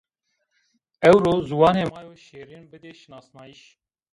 Ewro, ziwanê ma yo şîrin bidî şinasnayîş